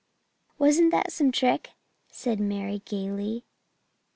"'Wasn't that some trick?' said Mary gaily.